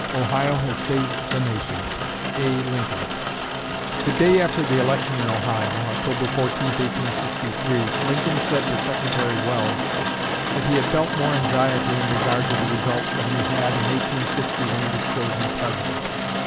Ohio has saved the Nation. A. Lincoln_." The day after the election in Ohio (October 14, 1863) Lincoln said to Secretary Welles that he had felt more anxiety in regard to the results than he had in 1860 when he was chosen President.